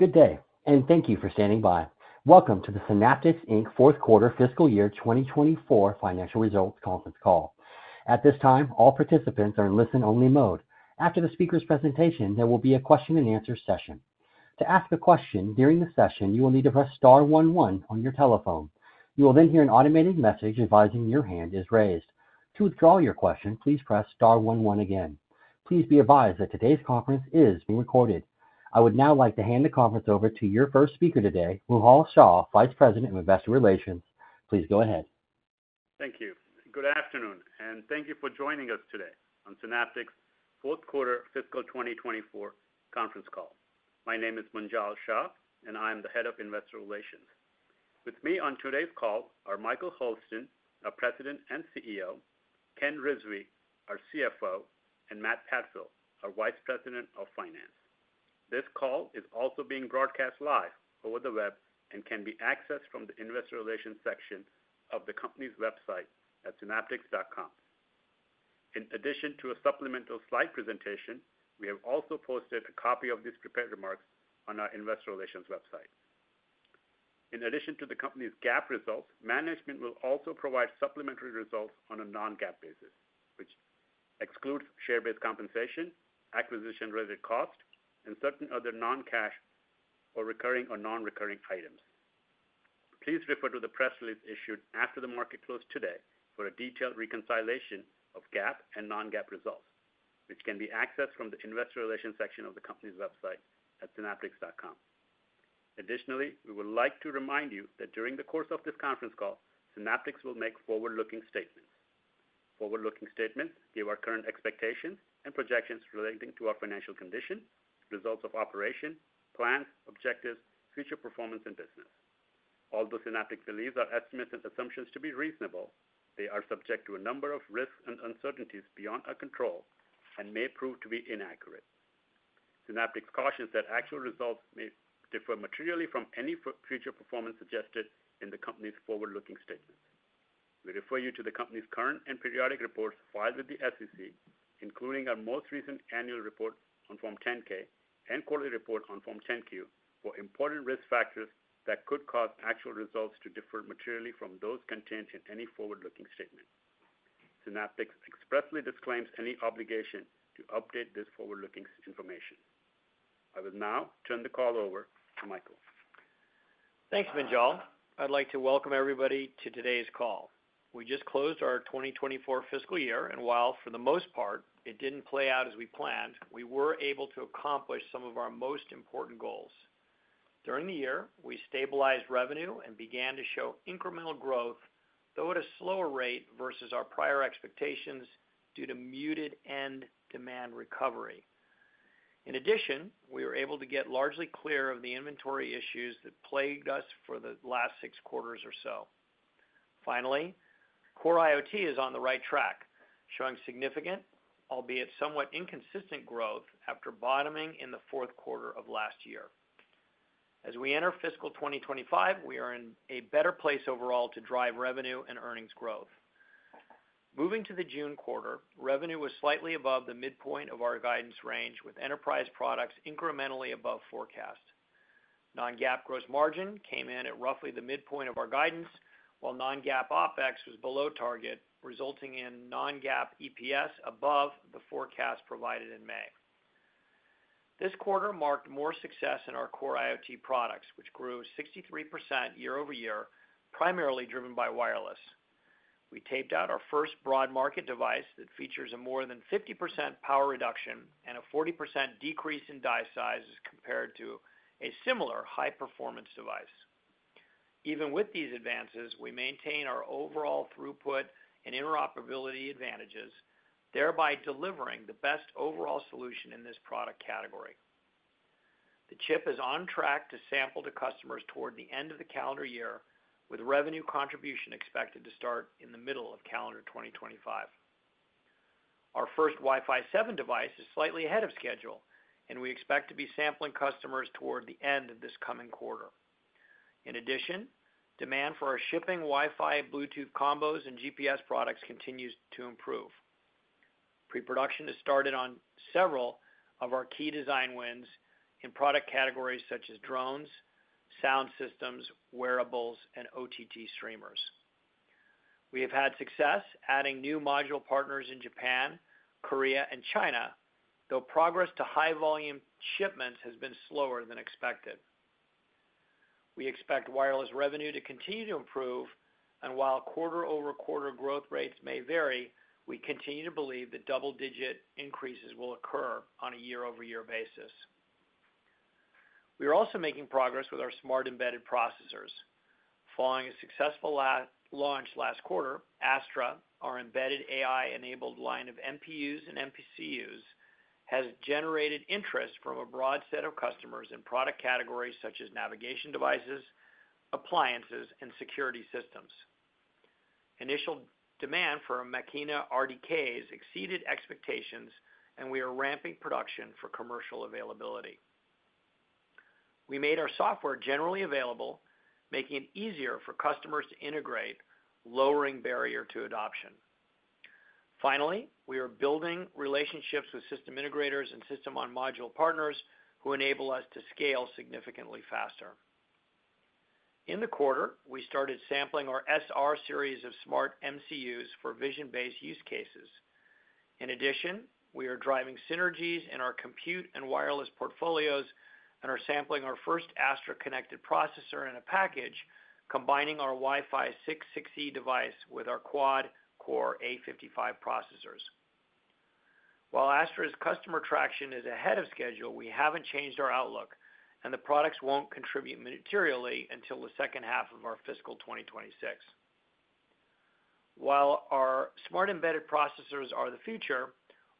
Good day, and thank you for standing by. Welcome to the Synaptics, Inc. Fourth Quarter Fiscal Year 2024 Financial Results Conference Call. At this time, all participants are in listen-only mode. After the speaker's presentation, there will be a question-and-answer session. To ask a question during the session, you will need to press star one one on your telephone. You will then hear an automated message advising your hand is raised. To withdraw your question, please press star one one again. Please be advised that today's conference is being recorded. I would now like to hand the conference over to your first speaker today, Munjal Shah, Vice President of Investor Relations. Please go ahead. Thank you. Good afternoon, and thank you for joining us today on Synaptics' fourth quarter fiscal 2024 conference call. My name is Munjal Shah, and I'm the Head of Investor Relations. With me on today's call are Michael Hurlston, our President and CEO, Ken Rizvi, our CFO, and Matt Padfield, our Vice President of Finance. This call is also being broadcast live over the web and can be accessed from the investor relations section of the company's website at synaptics.com. In addition to a supplemental slide presentation, we have also posted a copy of these prepared remarks on our investor relations website. In addition to the company's GAAP results, management will also provide supplementary results on a non-GAAP basis, which excludes share-based compensation, acquisition-related costs, and certain other non-cash or recurring or non-recurring items. Please refer to the press release issued after the market closed today for a detailed reconciliation of GAAP and Non-GAAP results, which can be accessed from the investor relations section of the company's website at Synaptics.com. Additionally, we would like to remind you that during the course of this conference call, Synaptics will make forward-looking statements. Forward-looking statements give our current expectations and projections relating to our financial condition, results of operation, plans, objectives, future performance, and business. Although Synaptics believes our estimates and assumptions to be reasonable, they are subject to a number of risks and uncertainties beyond our control and may prove to be inaccurate. Synaptics cautions that actual results may differ materially from any future performance suggested in the company's forward-looking statements. We refer you to the company's current and periodic reports filed with the SEC, including our most recent annual report on Form 10-K and quarterly report on Form 10-Q, for important risk factors that could cause actual results to differ materially from those contained in any forward-looking statement. Synaptics expressly disclaims any obligation to update this forward-looking information. I will now turn the call over to Michael. Thanks, Munjal. I'd like to welcome everybody to today's call. We just closed our 2024 fiscal year, and while for the most part, it didn't play out as we planned, we were able to accomplish some of our most important goals. During the year, we stabilized revenue and began to show incremental growth, though at a slower rate versus our prior expectations, due to muted end demand recovery. In addition, we were able to get largely clear of the inventory issues that plagued us for the last six quarters or so. Finally, Core IoT is on the right track, showing significant, albeit somewhat inconsistent, growth after bottoming in the fourth quarter of last year. As we enter fiscal 2025, we are in a better place overall to drive revenue and earnings growth. Moving to the June quarter, revenue was slightly above the midpoint of our guidance range, with enterprise products incrementally above forecast. Non-GAAP gross margin came in at roughly the midpoint of our guidance, while non-GAAP OpEx was below target, resulting in non-GAAP EPS above the forecast provided in May. This quarter marked more success in our Core IoT products, which grew 63% year-over-year, primarily driven by wireless. We taped out our first broad market device that features a more than 50% power reduction and a 40% decrease in die size as compared to a similar high-performance device. Even with these advances, we maintain our overall throughput and interoperability advantages, thereby delivering the best overall solution in this product category. The chip is on track to sample to customers toward the end of the calendar year, with revenue contribution expected to start in the middle of calendar 2025. Our first Wi-Fi 7 device is slightly ahead of schedule, and we expect to be sampling customers toward the end of this coming quarter. In addition, demand for our shipping Wi-Fi, Bluetooth combos, and GPS products continues to improve. Pre-production has started on several of our key design wins in product categories such as drones, sound systems, wearables, and OTT streamers. We have had success adding new module partners in Japan, Korea, and China, though progress to high volume shipments has been slower than expected. We expect wireless revenue to continue to improve, and while quarter-over-quarter growth rates may vary, we continue to believe that double-digit increases will occur on a year-over-year basis. We are also making progress with our smart embedded processors. Following a successful launch last quarter, Astra, our embedded AI-enabled line of MPUs and MCUs, has generated interest from a broad set of customers in product categories such as navigation devices, appliances, and security systems. Initial demand for our Machina RDKs exceeded expectations, and we are ramping production for commercial availability. We made our software generally available, making it easier for customers to integrate, lowering barrier to adoption. Finally, we are building relationships with system integrators and system-on-module partners who enable us to scale significantly faster. In the quarter, we started sampling our SR Series of smart MCUs for vision-based use cases. In addition, we are driving synergies in our compute and wireless portfolios and are sampling our first Astra connected processor in a package, combining our Wi-Fi 6/6E device with our quad-core A55 processors. While Astra's customer traction is ahead of schedule, we haven't changed our outlook, and the products won't contribute materially until the second half of our fiscal 2026. While our smart embedded processors are the future,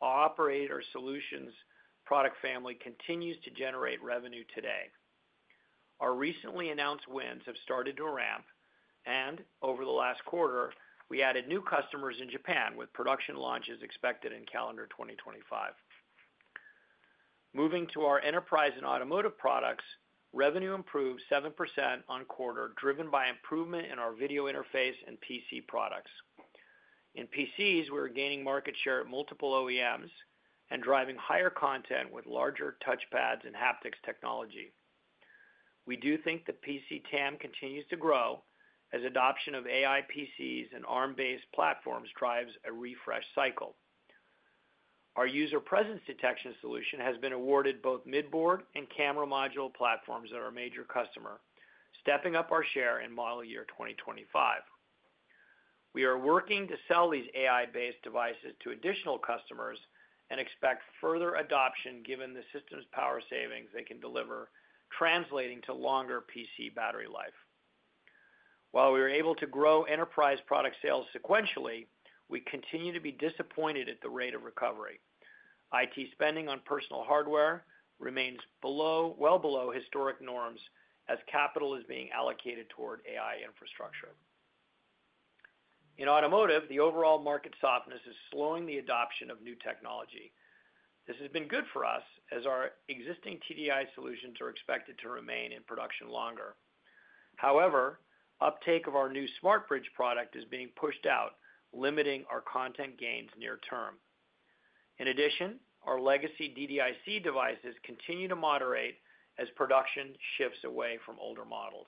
our operator solutions product family continues to generate revenue today. Our recently announced wins have started to ramp, and over the last quarter, we added new customers in Japan, with production launches expected in calendar 2025. Moving to our Enterprise and Automotive products, revenue improved 7% on quarter, driven by improvement in our video interface and PC products. In PCs, we're gaining market share at multiple OEMs and driving higher content with larger touchpads and haptics technology. We do think the PC TAM continues to grow as adoption of AI PCs and Arm-based platforms drives a refresh cycle. Our user presence detection solution has been awarded both mid-board and camera module platforms at a major customer, stepping up our share in model year 2025. We are working to sell these AI-based devices to additional customers and expect further adoption, given the system's power savings they can deliver, translating to longer PC battery life. While we were able to grow enterprise product sales sequentially, we continue to be disappointed at the rate of recovery. IT spending on personal hardware remains below, well below historic norms as capital is being allocated toward AI infrastructure. In automotive, the overall market softness is slowing the adoption of new technology. This has been good for us, as our existing TDDI solutions are expected to remain in production longer. However, uptake of our new SmartBridge product is being pushed out, limiting our content gains near term. In addition, our legacy DDIC devices continue to moderate as production shifts away from older models.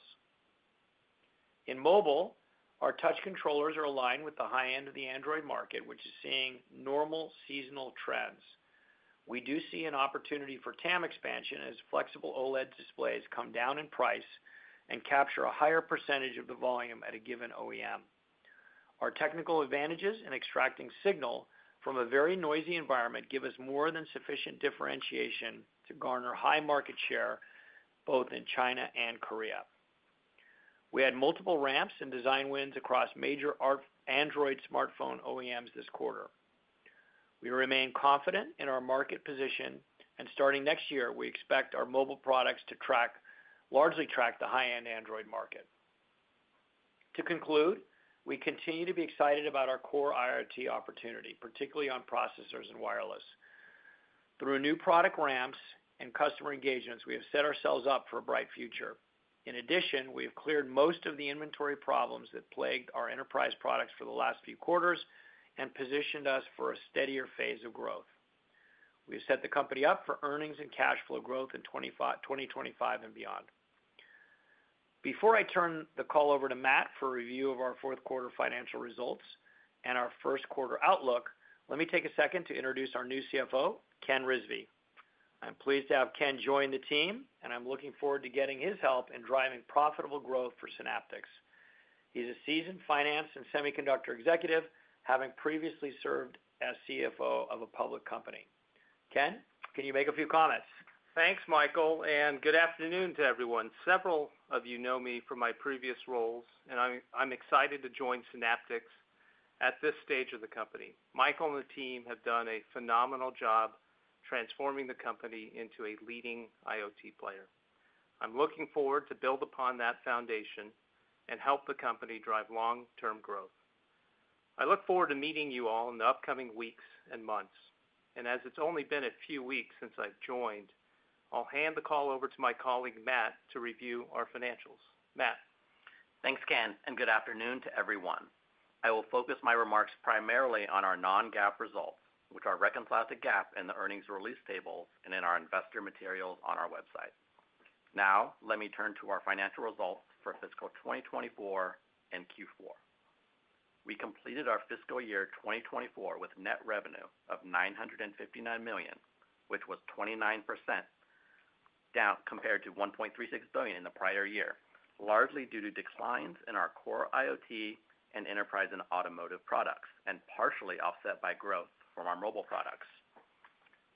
In Mobile, our touch controllers are aligned with the high end of the Android market, which is seeing normal seasonal trends. We do see an opportunity for TAM expansion as flexible OLED displays come down in price and capture a higher percentage of the volume at a given OEM. Our technical advantages in extracting signal from a very noisy environment give us more than sufficient differentiation to garner high market share, both in China and Korea. We had multiple ramps and design wins across major Android smartphone OEMs this quarter. We remain confident in our market position, and starting next year, we expect our Mobile products to largely track the high-end Android market. To conclude, we continue to be excited about our Core IoT opportunity, particularly on processors and wireless. Through new product ramps and customer engagements, we have set ourselves up for a bright future. In addition, we have cleared most of the inventory problems that plagued our enterprise products for the last few quarters and positioned us for a steadier phase of growth. We have set the company up for earnings and cash flow growth in 2025 and beyond. Before I turn the call over to Matt for a review of our fourth quarter financial results and our first quarter outlook, let me take a second to introduce our new CFO, Ken Rizvi. I'm pleased to have Ken join the team, and I'm looking forward to getting his help in driving profitable growth for Synaptics. He's a seasoned finance and semiconductor executive, having previously served as CFO of a public company. Ken, can you make a few comments? Thanks, Michael, and good afternoon to everyone. Several of you know me from my previous roles, and I'm excited to join Synaptics at this stage of the company. Michael and the team have done a phenomenal job transforming the company into a leading IoT player. I'm looking forward to build upon that foundation and help the company drive long-term growth. I look forward to meeting you all in the upcoming weeks and months, and as it's only been a few weeks since I've joined, I'll hand the call over to my colleague, Matt, to review our financials. Matt? Thanks, Ken, and good afternoon to everyone. I will focus my remarks primarily on our non-GAAP results, which are reconciled to GAAP in the earnings release table and in our investor materials on our website. Now, let me turn to our financial results for fiscal 2024 and Q4. We completed our fiscal year 2024 with net revenue of $959 million, which was 29% down compared to $1.36 billion in the prior year, largely due to declines in our Core IoT and Enterprise and Automotive products, and partially offset by growth from our Mobile products.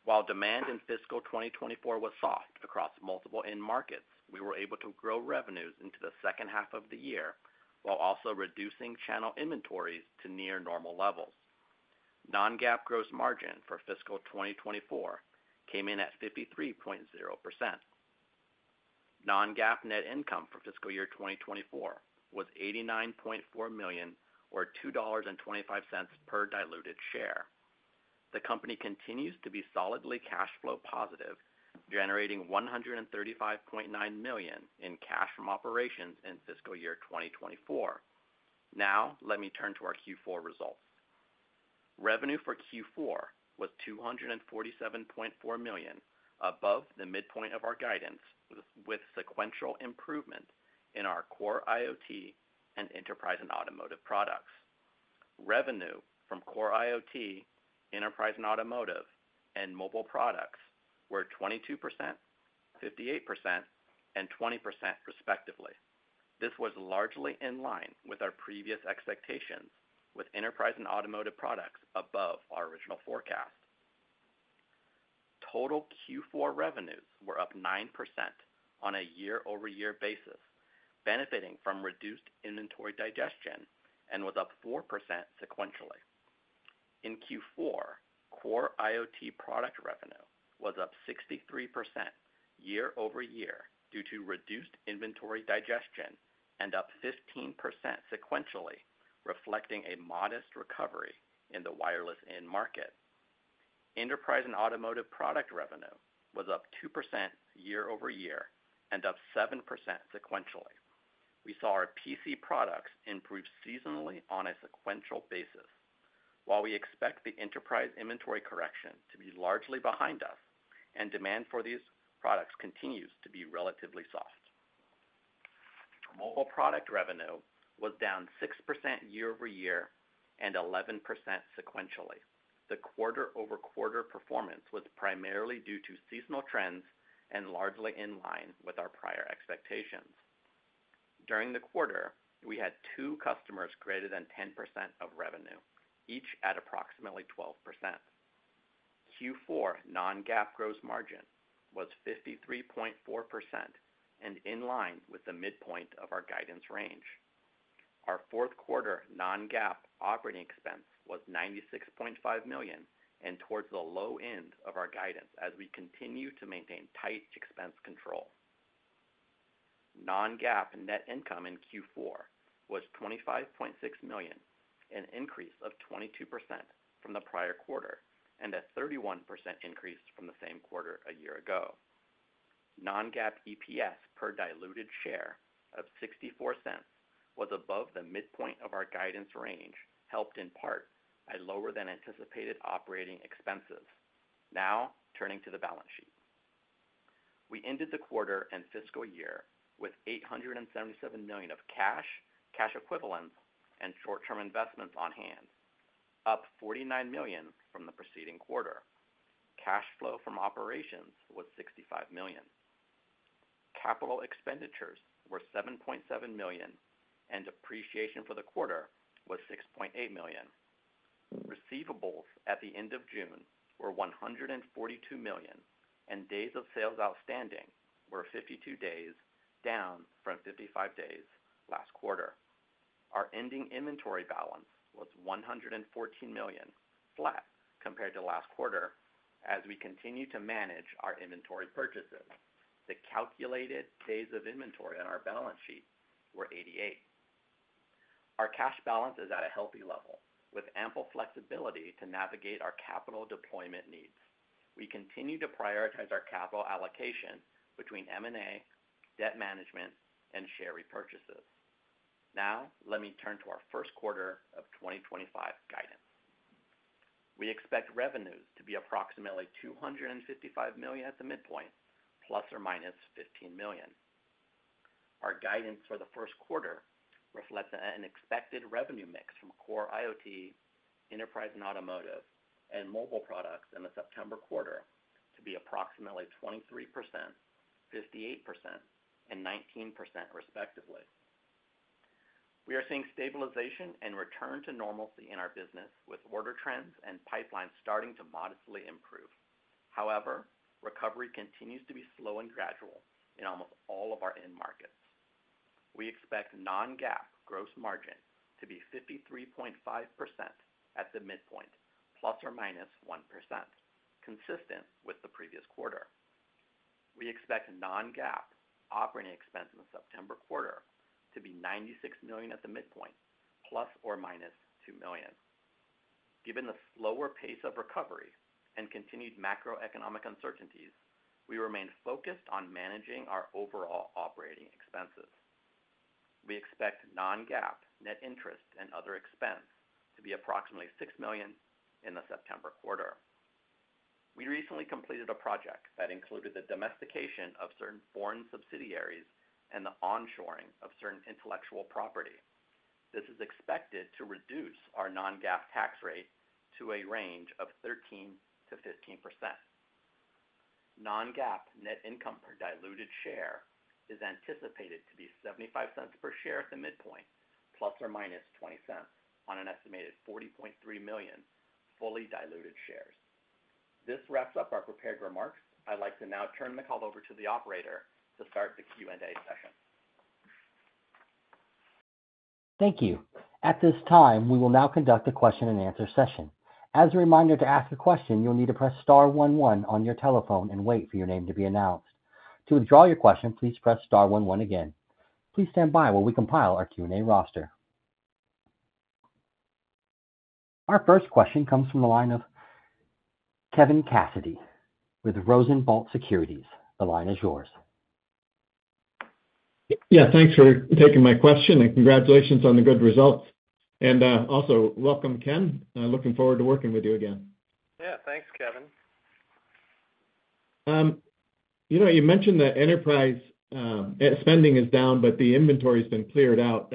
While demand in fiscal 2024 was soft across multiple end markets, we were able to grow revenues into the second half of the year, while also reducing channel inventories to near normal levels. Non-GAAP gross margin for fiscal 2024 came in at 53.0%. Non-GAAP net income for fiscal year 2024 was $89.4 million, or $2.25 per diluted share. The company continues to be solidly cash flow positive, generating $135.9 million in cash from operations in fiscal year 2024. Now, let me turn to our Q4 results. Revenue for Q4 was $247.4 million, above the midpoint of our guidance, with sequential improvement in our Core IoT and Enterprise and Automotive products. Revenue from Core IoT, Enterprise and Automotive, and Mobile products were 22%, 58%, and 20% respectively. This was largely in line with our previous expectations, with Enterprise and Automotive products above our original forecast. Total Q4 revenues were up 9% on a year-over-year basis, benefiting from reduced inventory digestion, and was up 4% sequentially. In Q4, Core IoT product revenue was up 63% year-over-year due to reduced inventory digestion, and up 15% sequentially, reflecting a modest recovery in the wireless end market. Enterprise and automotive product revenue was up 2% year-over-year and up 7% sequentially. We saw our PC products improve seasonally on a sequential basis, while we expect the enterprise inventory correction to be largely behind us, and demand for these products continues to be relatively soft. Mobile product revenue was down 6% year-over-year and 11% sequentially. The quarter-over-quarter performance was primarily due to seasonal trends and largely in line with our prior expectations. During the quarter, we had two customers greater than 10% of revenue, each at approximately 12%. Q4 non-GAAP gross margin was 53.4% and in line with the midpoint of our guidance range. Our fourth quarter Non-GAAP operating expense was $96.5 million and towards the low end of our guidance as we continue to maintain tight expense control. Non-GAAP net income in Q4 was $25.6 million, an increase of 22% from the prior quarter and a 31% increase from the same quarter a year ago. Non-GAAP EPS per diluted share of $0.64 was above the midpoint of our guidance range, helped in part by lower than anticipated operating expenses. Now, turning to the balance sheet. We ended the quarter and fiscal year with $877 million of cash, cash equivalents, and short-term investments on hand, up $49 million from the preceding quarter. Cash flow from operations was $65 million. Capital expenditures were $7.7 million, and depreciation for the quarter was $6.8 million. Receivables at the end of June were $142 million, and days of sales outstanding were 52 days, down from 55 days last quarter. Our ending inventory balance was $114 million, flat compared to last quarter, as we continue to manage our inventory purchases. The calculated days of inventory on our balance sheet were 88. Our cash balance is at a healthy level, with ample flexibility to navigate our capital deployment needs. We continue to prioritize our capital allocation between M&A, debt management, and share repurchases. Now, let me turn to our first quarter of 2025 guidance. We expect revenues to be approximately $255 million at the midpoint, ±$15 million. Our guidance for the first quarter reflects an expected revenue mix from Core IoT, Enterprise and Automotive, and Mobile products in the September quarter to be approximately 23%, 58%, and 19%, respectively. We are seeing stabilization and return to normalcy in our business, with order trends and pipelines starting to modestly improve. However, recovery continues to be slow and gradual in almost all of our end markets. We expect non-GAAP gross margin to be 53.5% at the midpoint, ±1%, consistent with the previous quarter. We expect non-GAAP operating expense in the September quarter to be $96 million at the midpoint, ±$2 million. Given the slower pace of recovery and continued macroeconomic uncertainties, we remain focused on managing our overall operating expenses. We expect non-GAAP net interest and other expense to be approximately $6 million in the September quarter. We recently completed a project that included the domestication of certain foreign subsidiaries and the onshoring of certain intellectual property. This is expected to reduce our non-GAAP tax rate to a range of 13%-15%. Non-GAAP net income per diluted share is anticipated to be $0.75 per share at the midpoint, ±$0.20 on an estimated 40.3 million fully diluted shares. This wraps up our prepared remarks. I'd like to now turn the call over to the operator to start the Q&A session. Thank you. At this time, we will now conduct a question-and-answer session. As a reminder, to ask a question, you'll need to press star one one on your telephone and wait for your name to be announced. To withdraw your question, please press star one one again. Please stand by while we compile our Q&A roster. Our first question comes from the line of Kevin Cassidy with Rosenblatt Securities. The line is yours. Yeah, thanks for taking my question, and congratulations on the good results. Also, welcome, Ken. Looking forward to working with you again. Yeah, thanks, Kevin. You know, you mentioned that enterprise spending is down, but the inventory's been cleared out.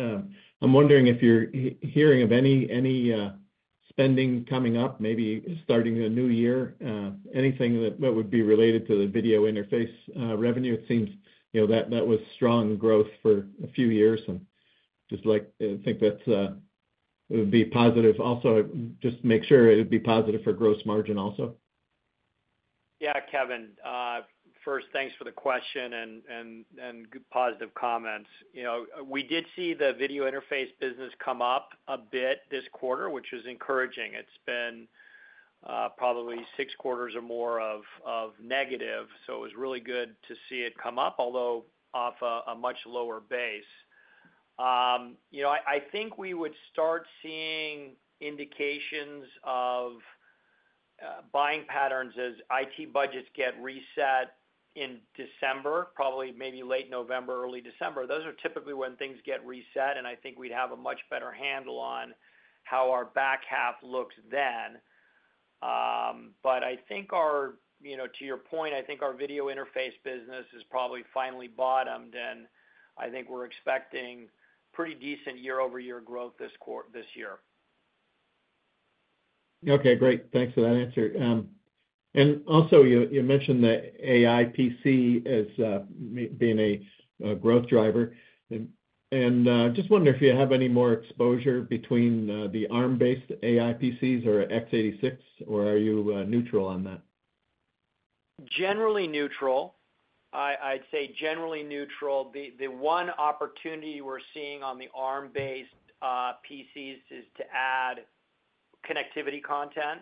I'm wondering if you're hearing of any spending coming up, maybe starting a new year, anything that would be related to the video interface revenue? It seems, you know, that was strong growth for a few years, and just like, I think that's it would be positive also, just make sure it would be positive for gross margin also. Yeah, Kevin, first, thanks for the question and good positive comments. You know, we did see the video interface business come up a bit this quarter, which is encouraging. It's been probably six quarters or more of negative, so it was really good to see it come up, although off a much lower base. You know, I think we would start seeing indications of buying patterns as IT budgets get reset in December, probably maybe late November, early December. Those are typically when things get reset, and I think we'd have a much better handle on how our back half looks then. But I think our, you know, to your point, I think our video interface business has probably finally bottomed, and I think we're expecting pretty decent year-over-year growth this year. Okay, great. Thanks for that answer. And also, you mentioned that AI PC as being a growth driver. And just wondering if you have any more exposure between the Arm-based AI PCs or x86, or are you neutral on that? Generally neutral. I'd say generally neutral. The one opportunity we're seeing on the Arm-based PCs is to add connectivity content.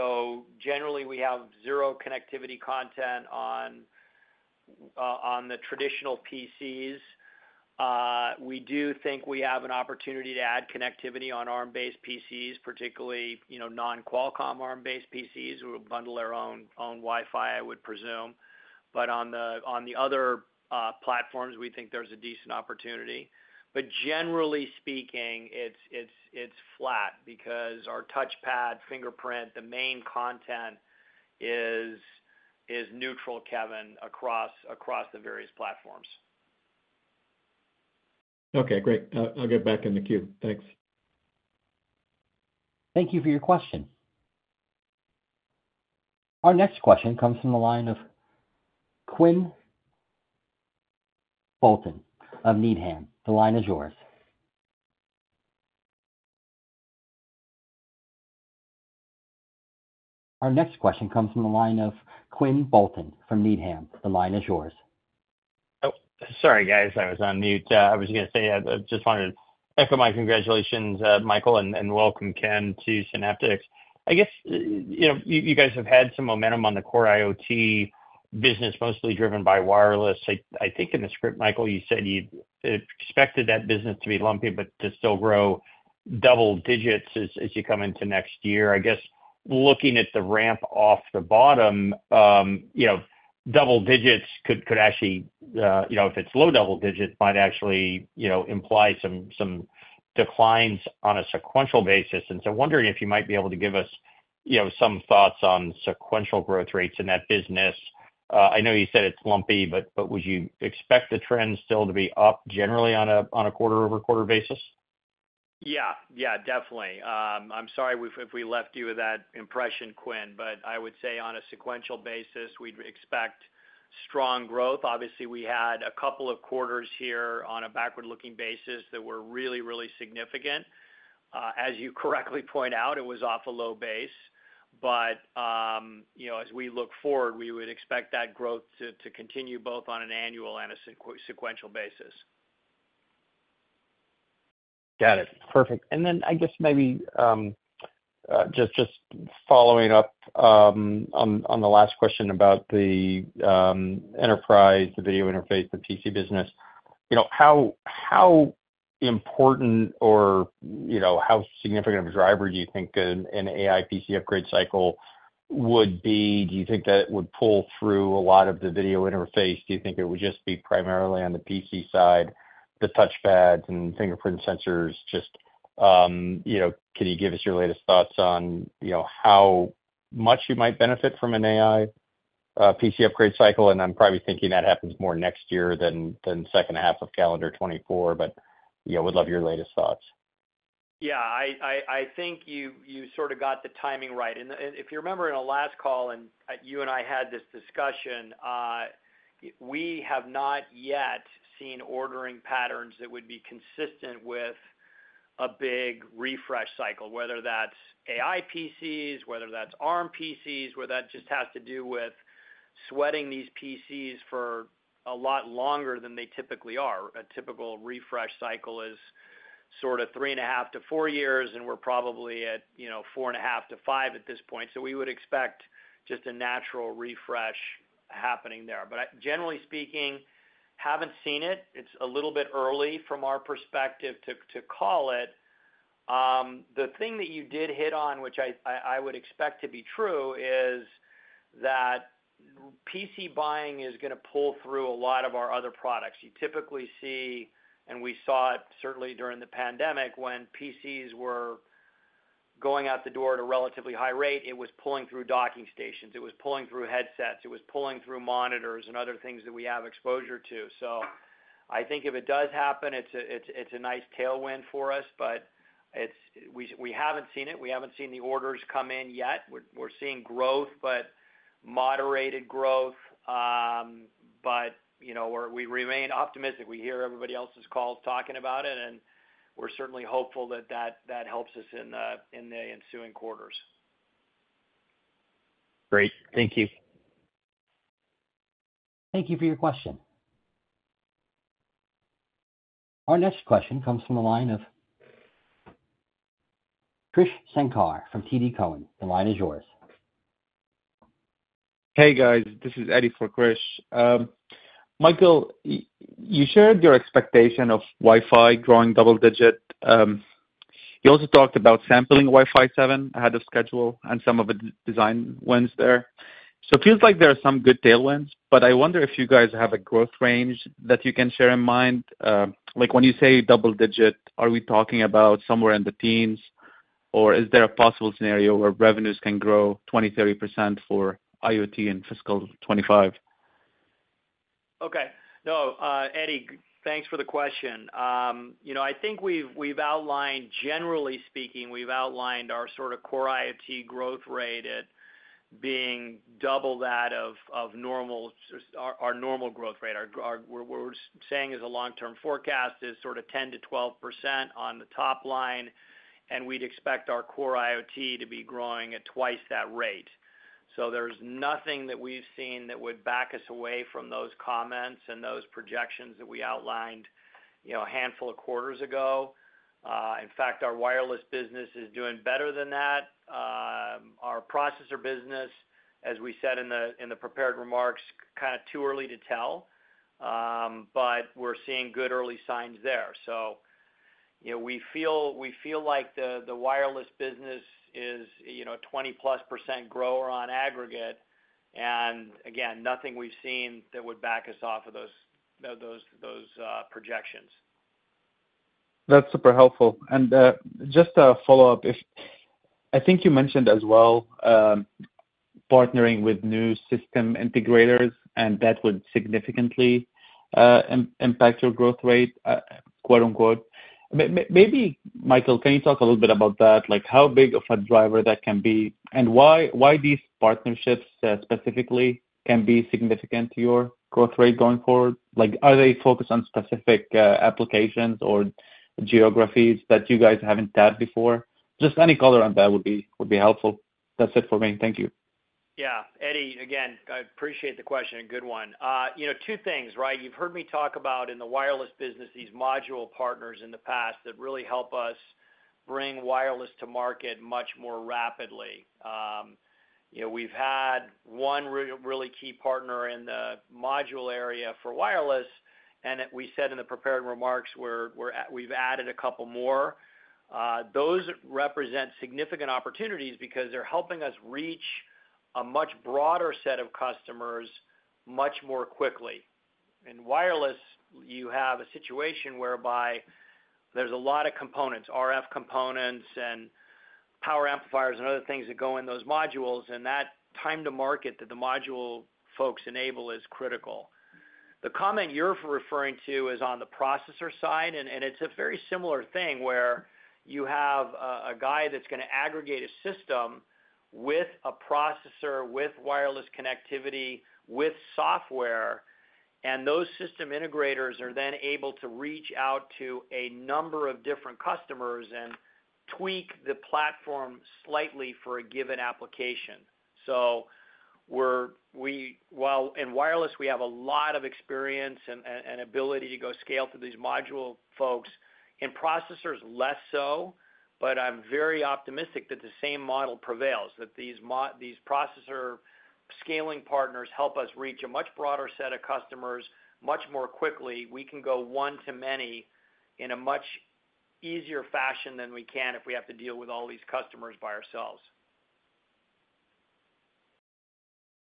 So generally, we have zero connectivity content on the traditional PCs. We do think we have an opportunity to add connectivity on Arm-based PCs, particularly, you know, non-Qualcomm Arm-based PCs, who will bundle their own Wi-Fi, I would presume. But on the other platforms, we think there's a decent opportunity. But generally speaking, it's flat because our touchpad, fingerprint, the main content is neutral, Kevin, across the various platforms. Okay, great. I'll get back in the queue. Thanks. Thank you for your question. Our next question comes from the line of Quinn Bolton of Needham. The line is yours. Our next question comes from the line of Quinn Bolton from Needham. The line is yours. Oh, sorry, guys, I was on mute. I was gonna say, I just wanted to echo my congratulations, Michael, and welcome Ken to Synaptics. I guess, you know, you guys have had some momentum on the Core IoT business, mostly driven by wireless. I think in the script, Michael, you said you expected that business to be lumpy, but to still grow double digits as you come into next year. I guess, looking at the ramp off the bottom, you know, double digits could actually, you know, if it's low double digits, might actually, you know, imply some declines on a sequential basis. And so I'm wondering if you might be able to give us, you know, some thoughts on sequential growth rates in that business. I know you said it's lumpy, but would you expect the trend still to be up generally on a quarter-over-quarter basis? Yeah, yeah, definitely. I'm sorry if we left you with that impression, Quinn, but I would say on a sequential basis, we'd expect strong growth. Obviously, we had a couple of quarters here on a backward-looking basis that were really, really significant. As you correctly point out, it was off a low base. But, you know, as we look forward, we would expect that growth to continue both on an annual and a sequential basis. Got it. Perfect. And then I guess maybe just following up on the last question about the enterprise, the video interface, the PC business. You know, how important or, you know, how significant of a driver do you think an AI PC upgrade cycle would be? Do you think that it would pull through a lot of the video interface? Do you think it would just be primarily on the PC side, the touchpads and fingerprint sensors? Just, you know, can you give us your latest thoughts on, you know, how much you might benefit from an AI PC upgrade cycle? And I'm probably thinking that happens more next year than second half of calendar 2024, but, yeah, would love your latest thoughts. Yeah, I think you sort of got the timing right. And if you remember in our last call, and you and I had this discussion, we have not yet seen ordering patterns that would be consistent with a big refresh cycle, whether that's AI PCs, whether that's Arm PCs, whether that just has to do with sweating these PCs for a lot longer than they typically are. A typical refresh cycle is sort of 3.5-4 years, and we're probably at, you know, 4.5-5 at this point. So we would expect just a natural refresh happening there. But generally speaking, haven't seen it. It's a little bit early from our perspective to call it. The thing that you did hit on, which I would expect to be true, is that PC buying is gonna pull through a lot of our other products. You typically see, and we saw it certainly during the pandemic, when PCs were going out the door at a relatively high rate, it was pulling through docking stations, it was pulling through headsets, it was pulling through monitors and other things that we have exposure to. So I think if it does happen, it's a nice tailwind for us, but we haven't seen it. We haven't seen the orders come in yet. We're seeing growth, but moderated growth. But, you know, we remain optimistic. We hear everybody else's calls talking about it, and we're certainly hopeful that that helps us in the ensuing quarters. Great. Thank you. Thank you for your question. Our next question comes from the line of Krish Sankar from TD Cowen. The line is yours. Hey, guys. This is Eddie for Krish. Michael, you shared your expectation of Wi-Fi growing double digit. You also talked about sampling Wi-Fi 7, ahead of schedule, and some of the design wins there. So it feels like there are some good tailwinds, but I wonder if you guys have a growth range that you can share in mind. Like, when you say double digit, are we talking about somewhere in the teens, or is there a possible scenario where revenues can grow 20%, 30% for IoT in fiscal 2025? Okay. No, Eddie, thanks for the question. You know, I think we've outlined, generally speaking, we've outlined our sort of Core IoT growth rate at being double that of normal, our normal growth rate. What we're saying as a long-term forecast is sort of 10%-12% on the top line, and we'd expect our Core IoT to be growing at twice that rate. So there's nothing that we've seen that would back us away from those comments and those projections that we outlined, you know, a handful of quarters ago. In fact, our wireless business is doing better than that. Our processor business, as we said in the prepared remarks, kind of too early to tell, but we're seeing good early signs there. You know, we feel like the wireless business is, you know, a 20%+ grower on aggregate, and again, nothing we've seen that would back us off of those projections. That's super helpful. And just a follow-up. I think you mentioned as well partnering with new system integrators, and that would significantly impact your growth rate, quote unquote. Maybe, Michael, can you talk a little bit about that? Like, how big of a driver that can be, and why these partnerships specifically can be significant to your growth rate going forward? Like, are they focused on specific applications or geographies that you guys haven't tapped before? Just any color on that would be helpful. That's it for me. Thank you. Yeah. Eddie, again, I appreciate the question, a good one. You know, two things, right? You've heard me talk about in the wireless business, these module partners in the past that really help us bring wireless to market much more rapidly. You know, we've had one really key partner in the module area for wireless, and we said in the prepared remarks, we've added a couple more. Those represent significant opportunities because they're helping us reach a much broader set of customers much more quickly. In wireless, you have a situation whereby there's a lot of components, RF components and power amplifiers and other things that go in those modules, and that time to market that the module folks enable is critical. The comment you're referring to is on the processor side, and it's a very similar thing, where you have a guy that's gonna aggregate a system with a processor, with wireless connectivity, with software, and those system integrators are then able to reach out to a number of different customers and tweak the platform slightly for a given application. So while in wireless, we have a lot of experience and ability to go scale to these module folks, in processors, less so, but I'm very optimistic that the same model prevails. That these processor scaling partners help us reach a much broader set of customers, much more quickly. We can go one to many in a much easier fashion than we can if we have to deal with all these customers by ourselves.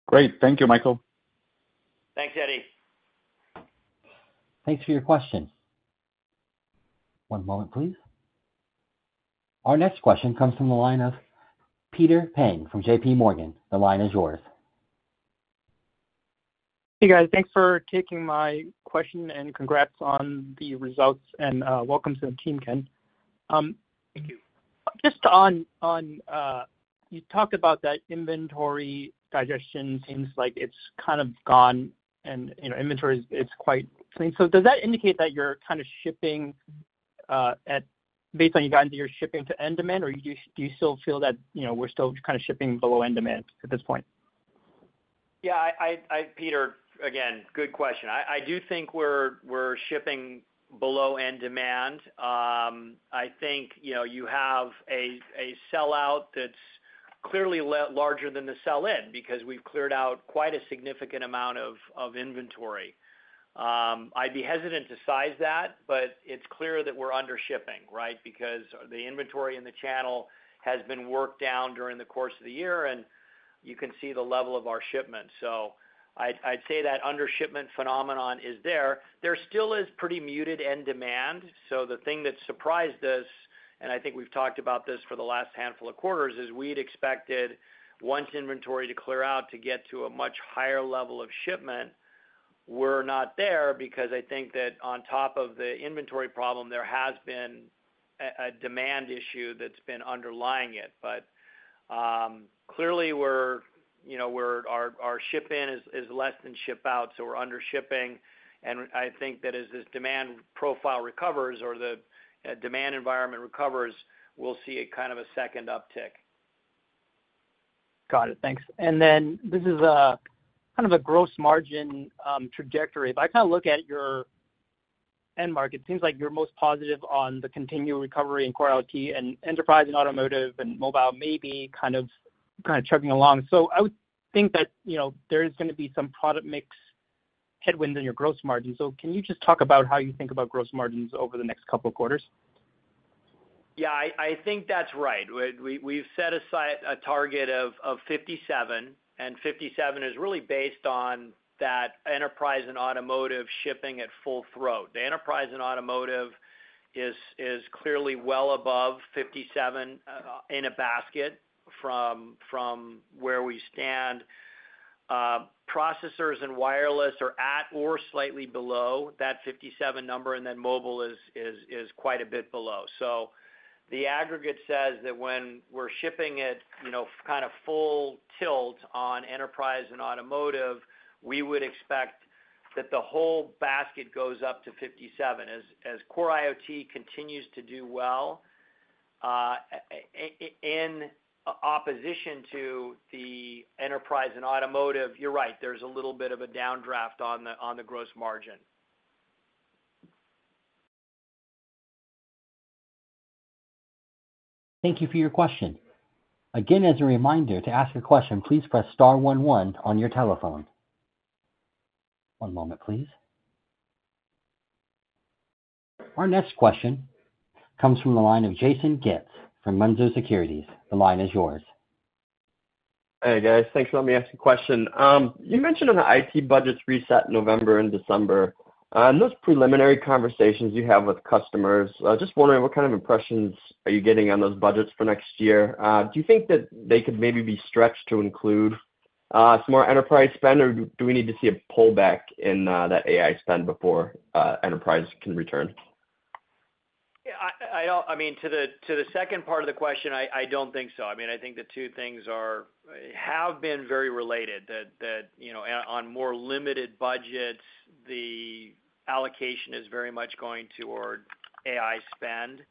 Great. Thank you, Michael. Thanks, Eddie. Thanks for your question. One moment, please. Our next question comes from the line of Peter Peng from JPMorgan. The line is yours. Hey, guys. Thanks for taking my question, and congrats on the results, and welcome to the team, Ken. Thank you. Just on, you talked about that inventory digestion. Seems like it's kind of gone and, you know, inventory is, it's quite clean. So does that indicate that you're kind of shipping based on you guys, that you're shipping to end demand, or do you still feel that, you know, we're still kind of shipping below end demand at this point?... Yeah, I, Peter, again, good question. I do think we're shipping below end demand. I think, you know, you have a sell out that's clearly larger than the sell-in, because we've cleared out quite a significant amount of inventory. I'd be hesitant to size that, but it's clear that we're under shipping, right? Because the inventory in the channel has been worked down during the course of the year, and you can see the level of our shipments. So I'd say that under shipment phenomenon is there. There still is pretty muted end demand, so the thing that surprised us, and I think we've talked about this for the last handful of quarters, is we'd expected once inventory to clear out, to get to a much higher level of shipment. We're not there because I think that on top of the inventory problem, there has been a demand issue that's been underlying it. But clearly, we're, you know, our ship in is less than ship out, so we're under shipping. And I think that as this demand profile recovers or the demand environment recovers, we'll see a kind of a second uptick. Got it. Thanks. And then this is a kind of a gross margin trajectory. If I kind of look at your end market, it seems like you're most positive on the continual recovery in Core IoT and Enterprise and Automotive, and Mobile may be kind of, kind of chugging along. So I would think that, you know, there's gonna be some product mix headwind in your gross margin. So can you just talk about how you think about gross margins over the next couple of quarters? Yeah, I think that's right. We've set aside a target of 57%, and 57% is really based on that Enterprise and Automotive shipping at full throat. The Enterprise and Automotive is clearly well above 57%, in a basket from where we stand. Processors and wireless are at or slightly below that 57% number, and then Mobile is quite a bit below. So the aggregate says that when we're shipping it, you know, kind of full tilt on Enterprise and Automotive, we would expect that the whole basket goes up to 57%. As Core IoT continues to do well, in opposition to the Enterprise and Automotive, you're right, there's a little bit of a downdraft on the gross margin. Thank you for your question. Again, as a reminder, to ask a question, please press star one one on your telephone. One moment, please. Our next question comes from the line of Jason Getz from Mizuho Securities. The line is yours. Hey, guys. Thanks for letting me ask a question. You mentioned on the IT budgets reset November and December. In those preliminary conversations you have with customers, just wondering what kind of impressions are you getting on those budgets for next year? Do you think that they could maybe be stretched to include some more enterprise spend, or do we need to see a pullback in that AI spend before enterprise can return? Yeah, I don't- I mean, to the second part of the question, I don't think so. I mean, I think the two things are- have been very related, that you know, on more limited budgets, the allocation is very much going toward AI spend.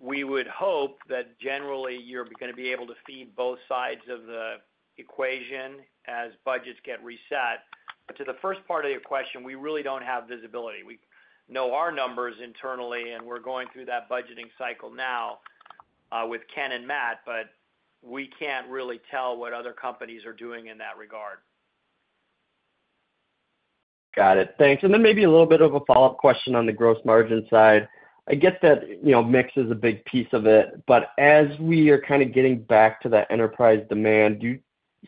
We would hope that generally you're gonna be able to feed both sides of the equation as budgets get reset. But to the first part of your question, we really don't have visibility. We know our numbers internally, and we're going through that budgeting cycle now with Ken and Matt, but we can't really tell what other companies are doing in that regard. Got it. Thanks. And then maybe a little bit of a follow-up question on the gross margin side. I get that, you know, mix is a big piece of it, but as we are kind of getting back to that enterprise demand, do you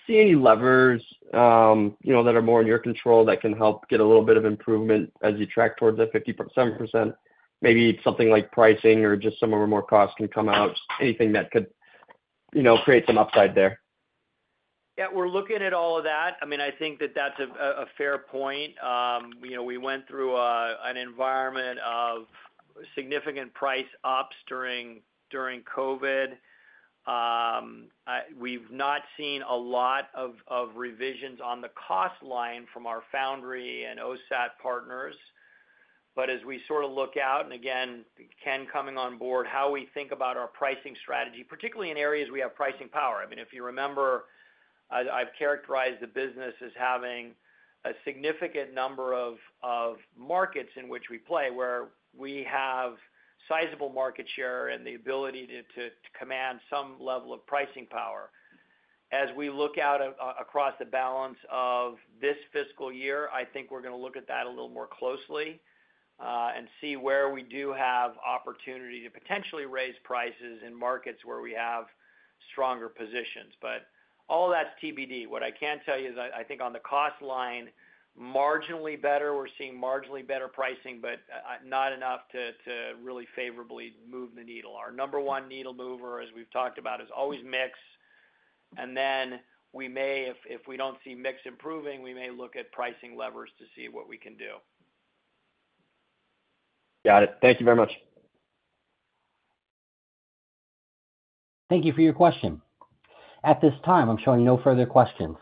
see any levers, you know, that are more in your control that can help get a little bit of improvement as you track towards the 57%? Maybe something like pricing or just some of the more costs can come out, anything that could, you know, create some upside there. Yeah, we're looking at all of that. I mean, I think that that's a fair point. You know, we went through an environment of significant price ups during COVID. We've not seen a lot of revisions on the cost line from our foundry and OSAT partners. But as we sort of look out, and again, Ken coming on board, how we think about our pricing strategy, particularly in areas we have pricing power. I mean, if you remember, I've characterized the business as having a significant number of markets in which we play, where we have sizable market share and the ability to command some level of pricing power. As we look out across the balance of this fiscal year, I think we're gonna look at that a little more closely, and see where we do have opportunity to potentially raise prices in markets where we have stronger positions. But all that's TBD. What I can tell you is I think on the cost line, marginally better, we're seeing marginally better pricing, but, not enough to really favorably move the needle. Our number one needle mover, as we've talked about, is always mix, and then we may, if we don't see mix improving, we may look at pricing levers to see what we can do. Got it. Thank you very much. Thank you for your question. At this time, I'm showing no further questions.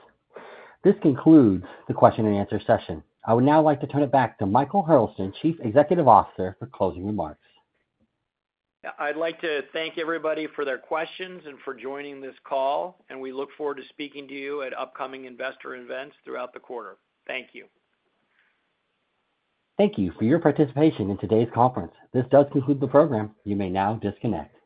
This concludes the question and answer session. I would now like to turn it back to Michael Hurlston, Chief Executive Officer, for closing remarks. Yeah, I'd like to thank everybody for their questions and for joining this call, and we look forward to speaking to you at upcoming investor events throughout the quarter. Thank you. Thank you for your participation in today's conference. This does conclude the program. You may now disconnect.